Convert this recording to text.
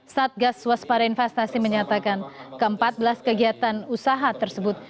satgas waspada investasi menyatakan ke empat belas kegiatan usaha tersebut